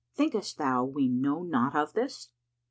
Thinkest thou we know not of this?